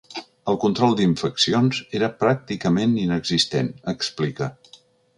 “El control d’infeccions era pràcticament inexistent”, explica.